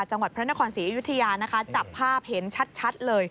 จังหวัดพระนครศรีอยุธยานะคะจับภาพเห็นชัดเลย